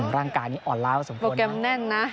ร่างกายนี้อ่อนร้ายมาสมควรนะโปรแกรมแน่นนะ